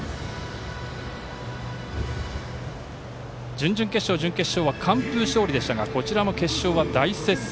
準々決勝、準決勝は完封勝利でしたがこちらも決勝は大接戦。